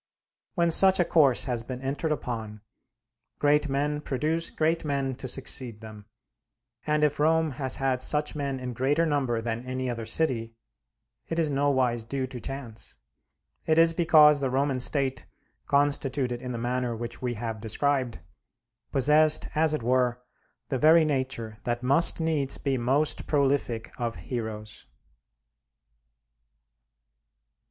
When such a course has been entered upon, great men produce great men to succeed them; and if Rome has had such men in greater number than any other city, it is nowise due to chance; it is because the Roman State, constituted in the manner which we have described, possessed as it were the very nature that must needs be most prolific of heroes.